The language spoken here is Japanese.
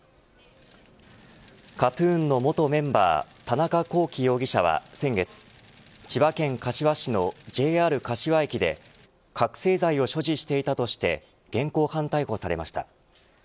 ＫＡＴ−ＴＵＮの元メンバー田中聖容疑者は先月千葉県柏市のＪＲ柏駅で覚せい剤を所持していたとして現行犯逮捕されました。